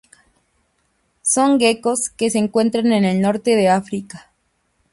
Son geckos que se encuentran en el norte de África.